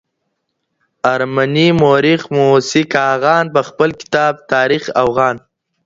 ارمني مورخ موسی کاغان، په خپل کتاب تاریخ اوغان